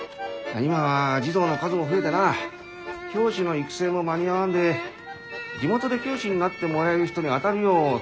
今は児童の数も増えてな教師の育成も間に合わんで地元で教師になってもらえる人に当たるよう通達があっての。